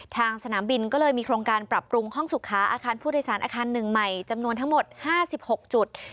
สนามบินก็เลยมีโครงการปรับปรุงห้องสุขาอาคารผู้โดยสารอาคารหนึ่งใหม่จำนวนทั้งหมด๕๖จุด